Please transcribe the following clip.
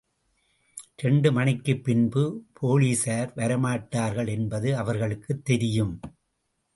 இரண்டு மணிக்குப் பின்பு போலிஸார் வரமாட்டார்கள் என்பது அவர்களுக்குத் தெரியும்.